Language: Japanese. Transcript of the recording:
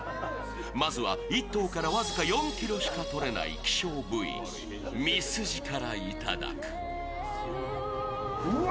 まずは１頭から僅か４ｋｇしかとれない希少部位、ミスジからいただく。